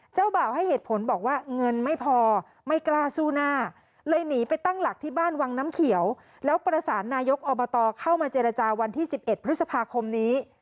เจ้าบ่าวให้เหตุผลบอกว่าเงินไม่พอไม่กล้าสู้หน้าเลยหนีไปตั้งหลักที่บ้านวังน้ำเขียวแล้วประสานนายกอบตเข้ามาเจรจาวันที่๑๑พฤษภาคมนี้